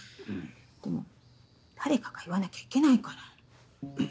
でも誰かが言わなきゃいけないから。